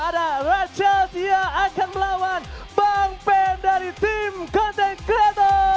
ada rachel chia akan melawan bang pain dari tim content creator